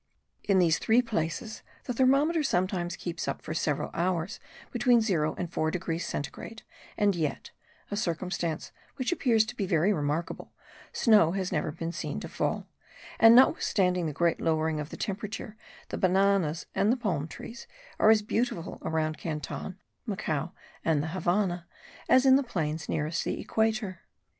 In these three places the thermometer sometimes keeps up for several hours between 0 and 4 degrees (centigrade); and yet (a circumstance which appears to be very remarkable) snow has never been seen to fall; and notwithstanding the great lowering of the temperature, the bananas and the palm trees are as beautiful around Canton, Macao and the Havannah as in the plains nearest the equator.